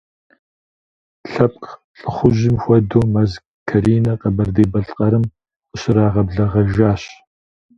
Лъэпкъ лӏыхъужьым хуэдэу Мэз Каринэ Къэбэрдей-Балъкъэрым къыщрагъэблэгъэжащ.